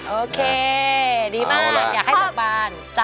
โอเคดีมากอยากให้เหมือนบ้าน